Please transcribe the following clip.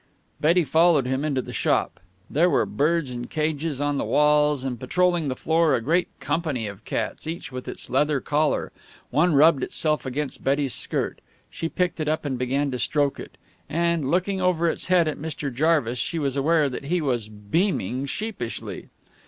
Betty followed him into the shop. There were birds in cages on the walls, and, patroling the floor, a great company of cats, each with its leather collar. One rubbed itself against Betty's skirt. She picked it up, and began to stroke it. And, looking over its head at Mr. Jarvis, she was aware that he was beaming sheepishly.